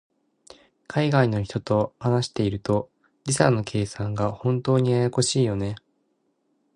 海外の人と話していると、時差の計算が本当にややこしいよね。